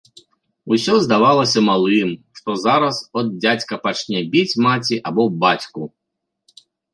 Усё здавалася малым, што зараз от дзядзька пачне біць маці або бацьку.